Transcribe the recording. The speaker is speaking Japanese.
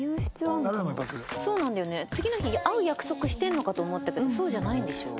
次の日会う約束してるのかと思ったけどそうじゃないんでしょ？